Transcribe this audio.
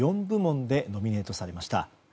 ４部門でノミネートされました。